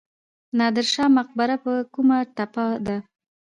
نادر شاه مقبره په کومه تپه ده؟